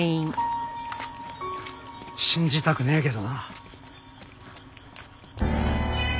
信じたくねえけどな。